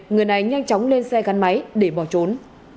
người này nhanh chóng lên xe gắn máy để bỏ trốn